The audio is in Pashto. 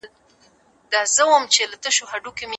زه غواړم د تاریخ په اړه نور معلومات ترلاسه کړم.